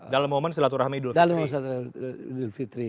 dalam momen selatur rahmi idul fitri